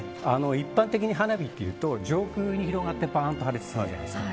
一般的に花火というと上空に広がってバーンと破裂するじゃないですか。